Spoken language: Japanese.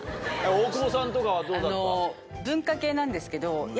大久保さんとかはどうだった？